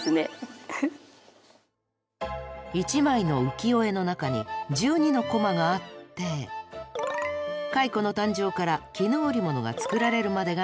一枚の浮世絵の中に１２のコマがあって蚕の誕生から絹織物が作られるまでが描かれているんですが。